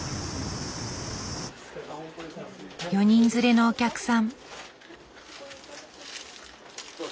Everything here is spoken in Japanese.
４人連れのお客さん。